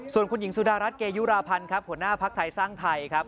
ส่วนคุณหญิงสุดารัฐเกยุราพันธ์ครับหัวหน้าภักดิ์ไทยสร้างไทยครับ